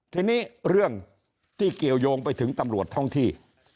ทีนี้เรื่องที่เกี่ยวยงไปถึงตำรวจท่องที่